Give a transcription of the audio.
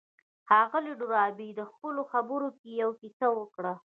ښاغلي ډاربي په خپلو خبرو کې يوه کيسه وکړه.